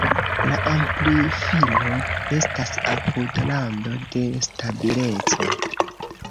La amplifilo estas apud rando de stabileco.